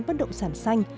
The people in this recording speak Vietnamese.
bất động sản xanh